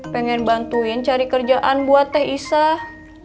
pengen bantuin cari kerjaan buat teh isah